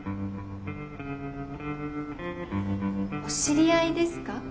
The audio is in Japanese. お知り合いですか？